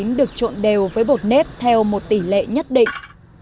bánh được trộn đều với bột nếp theo một tỉ lệ nhất định